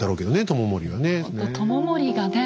知盛がね